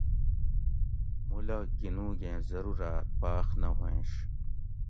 مُولہ گِھنوگیں ضروراۤت پاۤخ نہ ہُوئینش